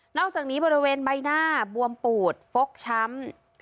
อกจากนี้บริเวณใบหน้าบวมปูดฟกช้ำ